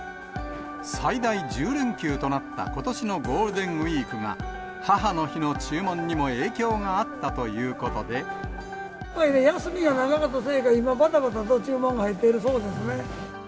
最大１０連休となったことしのゴールデンウィークが母の日の注文休みが長かったせいか、今、ばたばたと注文が入っているそうですね。